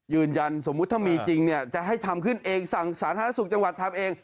สมมุติถ้ามีจริงเนี่ยจะให้ทำขึ้นเองสั่งสาธารณสุขจังหวัดทำเอง